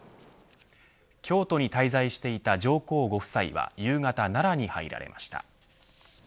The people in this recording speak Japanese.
京都に滞在していた上皇ご夫妻は夕方、奈良に入られました。